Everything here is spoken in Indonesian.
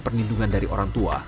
perlindungan dari orang tua